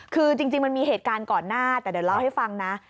คือจริงมันมีเหตุการณ์ก่อนหน้าแต่เดี๋ยวเล่าให้ฟังนะ